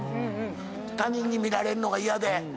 他人に見られるのが嫌で。